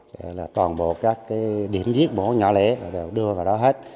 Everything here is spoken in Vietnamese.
để là toàn bộ các cái điểm giết mổ nhỏ lẻ đều đưa vào đó hết